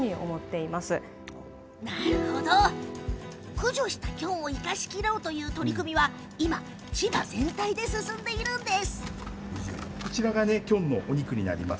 駆除したキョンを生かしきろうという取り組みは千葉全体で今、進んでいます。